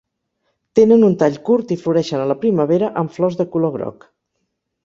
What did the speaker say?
Tenen un tall curt i floreixen a la primavera amb flors de color groc.